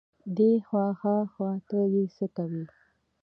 دې خوا ها خوا ته يې څکوي.